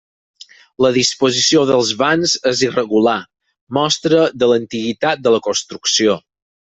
La disposició dels vans és irregular, mostra de l'antiguitat de la construcció.